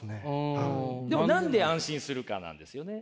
でも何で安心するかなんですよね。